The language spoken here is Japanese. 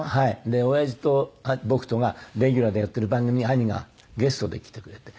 で親父と僕とがレギュラーでやっている番組に兄がゲストで来てくれて。